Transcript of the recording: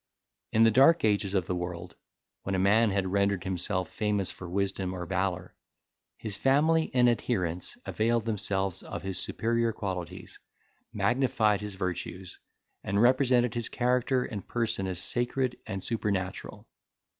In the dark ages of the World, when a man had rendered himself famous for wisdom or valour, his family and adherents availed themselves of his superior qualities, magnified his virtues, and represented his character and person as sacred and supernatural.